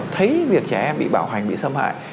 thấy việc trẻ em bị bạo hành bị xâm hại